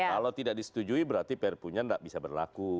kalau tidak disetujui berarti prpu nya tidak bisa berlaku